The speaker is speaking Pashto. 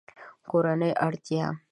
کورنۍ اړتیا